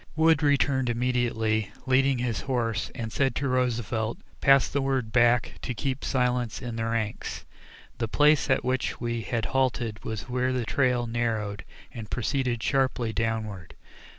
Wood returned immediately, leading his horse, and said to Roosevelt: "Pass the word back to keep silence in the ranks." The place at which we had halted was where the trail narrowed, and proceeded sharply downward.